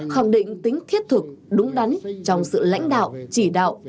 khẳng định tính thiết thực đúng đắn trong sự lãnh đạo chỉ đạo